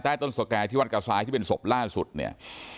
ต้นสแก่ที่วัดกระซ้ายที่เป็นศพล่าสุดเนี่ย